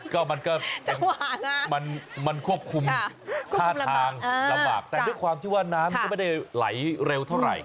ก็มันก็จังหวะมันควบคุมท่าทางลำบากแต่ด้วยความที่ว่าน้ำมันก็ไม่ได้ไหลเร็วเท่าไหร่